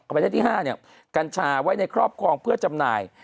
ประเทศที่๕กัญชาไว้ในครอบครองเพื่อจำหน่าย